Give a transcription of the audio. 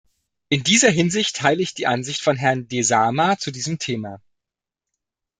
In dieser Hinsicht teile ich die Ansicht von Herrn Desama zu diesem Thema.